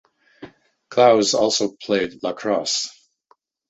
Clause also played lacrosse.